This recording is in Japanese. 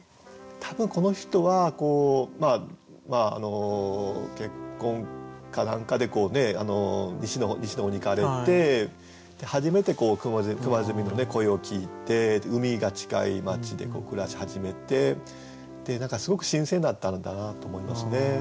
多分この人は結婚か何かで西の方に行かれて初めて熊の声を聞いて海が近い街で暮らし始めてすごく新鮮だったんだなと思いますね。